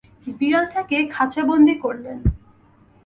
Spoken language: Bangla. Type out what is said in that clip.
বিড়ালটাকে খাঁচাবন্দী করলেন।